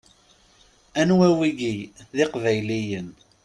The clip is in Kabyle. Anwa wigi? D iqbayliyen!